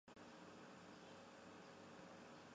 大西洋冲浪马珂蛤为马珂蛤科马珂蛤属下的一个种。